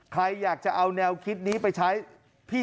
ใครอยากจะเอาแนวคิดนี้ไปใช้พี่